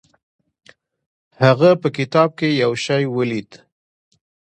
هغه په کتاب کې یو شی ولید.